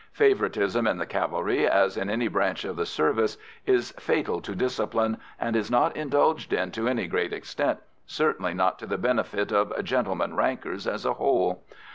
Favouritism in the cavalry, as in any branch of the service, is fatal to discipline, and is not indulged in to any great extent, certainly not to the benefit of gentlemen rankers as a whole.